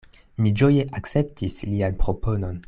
Mi ĝoje akceptis lian proponon.